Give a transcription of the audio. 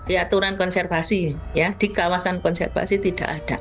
ya aturan konservasi ya di kawasan konservasi tidak ada